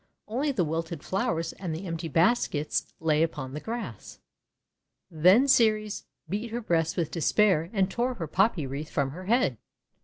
Only the withered flowers and the empty baskets lay upon the grass. Then Ceres beat her breast with despair and tore her Poppy Wreath from her head.